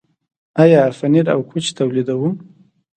آیا پنیر او کوچ تولیدوو؟